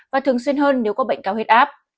và thường xuyên hơn nếu có bệnh cao huyết áp